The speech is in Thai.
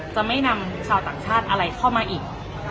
จะไม่นำชาวต่างชาติอะไรเข้ามาอีก